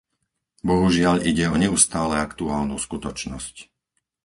Bohužiaľ ide o neustále aktuálnu skutočnosť.